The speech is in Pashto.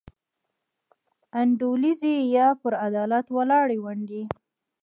انډولیزي یا پر عدالت ولاړې ونډې.